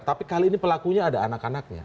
tapi kali ini pelakunya ada anak anaknya